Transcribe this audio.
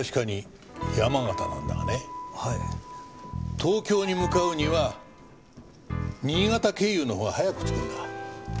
東京に向かうには新潟経由のほうが早く着くんだ。